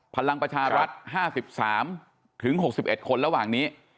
พลังประชารัฐ๕๓๖๑คนระหว่างนี้